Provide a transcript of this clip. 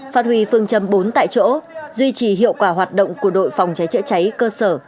phát huy phương châm bốn tại chỗ duy trì hiệu quả hoạt động của đội phòng cháy chữa cháy cơ sở